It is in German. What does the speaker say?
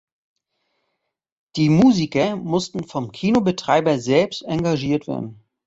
Die Musiker mussten vom Kinobetreiber selbst engagiert werden.